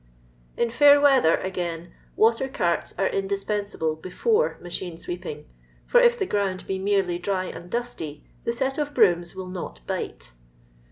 In fiiir weather, again, water carts are indispen sable before machine iWeeping, for if the ground be merely dry and dusty, the set of brooms will not "bite."